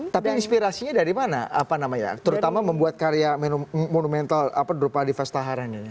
tapi inspirasinya dari mana terutama membuat karya monumental drupadipa setaharan ini